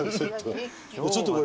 ちょっとこれ。